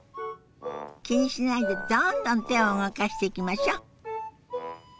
気にしないでどんどん手を動かしていきましょ！